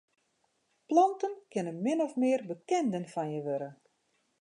Planten kinne min of mear bekenden fan je wurde.